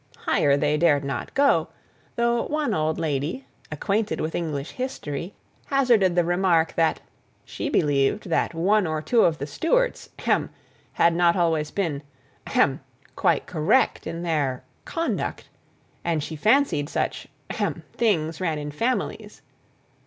Higher they dared not go, though one old lady, acquainted with English history, hazarded the remark, that "she believed that one or two of the Stuarts hem had not always been, ahem quite correct in their conduct; and she fancied such ahem things ran in families."